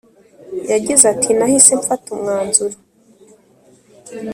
yagize ati “nahise mfata umwanzuro